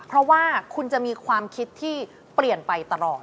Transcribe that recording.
เพราะว่าคุณจะมีความคิดที่เปลี่ยนไปตลอด